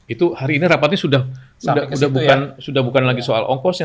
itu hari ini rapatnya sudah bukan lagi soal ongkosnya